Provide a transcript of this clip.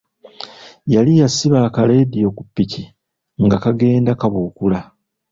Yali yasiba akaleediyo ku ppiki nga kagenda kabuukula.